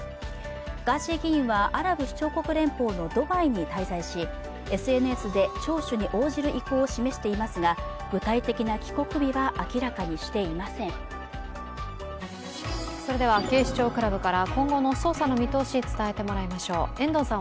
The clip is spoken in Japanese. ガーシー議員はアラブ首長国連邦のドバイに滞在しＳＮＳで聴取に応じる意向を示していますが具体的な帰国日は明らかにしていません。